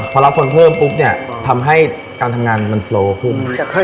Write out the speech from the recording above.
พอรับคนเพิ่มปุ๊บเนี่ยทำให้การทำงานมันโปรขึ้น